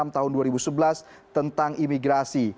tahun dua ribu sebelas tentang imigrasi